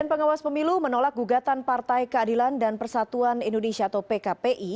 badan pengawas pemilu menolak gugatan partai keadilan dan persatuan indonesia atau pkpi